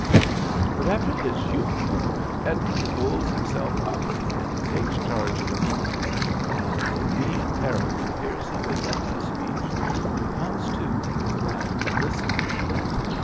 But after his youp Edmund pulls himself up and he takes charge of the meetin', and when me and Parrigin hears him beginnin' a speech we comes to and listens.